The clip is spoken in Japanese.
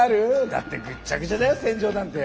だってぐっちゃぐちゃだよ戦場なんて。